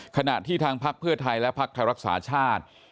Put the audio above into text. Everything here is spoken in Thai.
ขณะที่ทางพักเพื่อไทยและพักไทยรักษาชาติ